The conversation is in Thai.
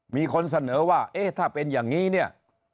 มีคนเสนอว่าถ้าเป็นอย่างนี้